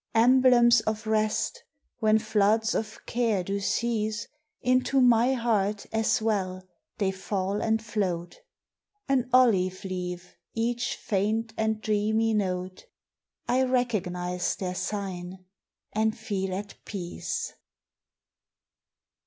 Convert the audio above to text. Emblems of rest, when floods of care do cease, Into my heart, as well, they fall and float, An olive leaf each faint and dreamy note I recognize their sign, and feel at peace.